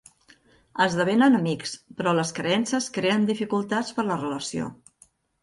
Esdevenen amics, però les creences creen dificultats per la relació.